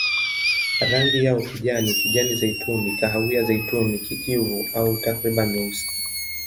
Rangi yao kijani, kijani-zeituni, kahawia-zeituni, kijivu au takriban nyeusi.